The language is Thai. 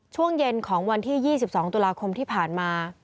ช่วงเย็นของวันที่๒๒ตุลาคมที่ผ่านมา